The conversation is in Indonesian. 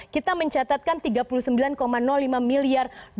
kita mencatatkan tiga puluh sembilan lima miliar dolar